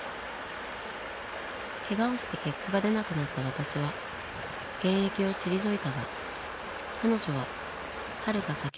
けがをして結果が出なくなった私は現役を退いたが彼女ははるか先を突き進んでいった。